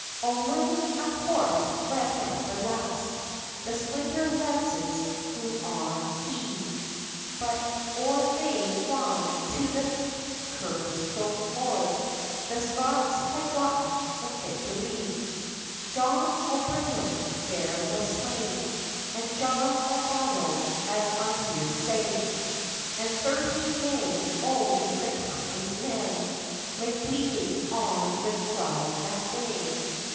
O mony a horse ran masterless, The splintered lances flew on hie; But or they wan to the Kershope ford, The Scots had gotten the victory. John o' Brigham there was slain, And John o' Barlow, as I hear say; And thirty mae o' the captain's men, Lay bleeding on the grund that day.